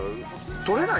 撮れない。